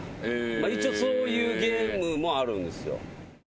一応そういうゲームもあるんですよ。